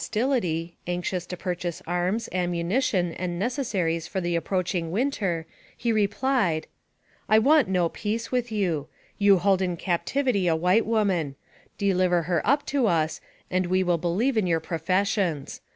171 tility, anxious to purchase arms, amunition, and neces saries for the approaching winter, he replied :" I want no peace with you. You hold in captivity a white woman ; deliver her up to us, and we will be lieve in your professions.